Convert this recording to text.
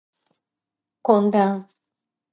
混乱